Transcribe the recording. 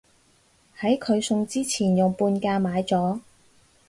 喺佢送之前用半價買咗